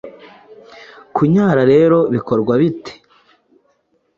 Kunyara rero bikorwa bite ?